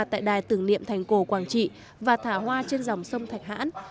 tại đài tưởng niệm thành cổ quảng trị và thả hoa trên dòng sông thạch hãn